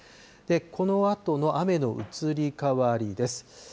このあとの雨の移り変わりです。